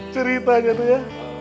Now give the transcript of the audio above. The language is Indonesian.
cerita gitu ya